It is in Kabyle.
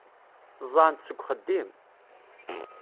Ẓẓɛen-t seg uxeddim.